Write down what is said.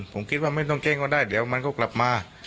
ผมคิดว่าไม่ต้องแจ้งก็ได้เดี๋ยวมันก็กลับมา